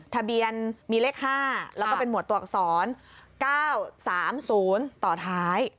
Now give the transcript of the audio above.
ทะเบียนมีเลข๕แล้วก็เป็นหวดตัวอักษร๙๓๐ต่อท้าย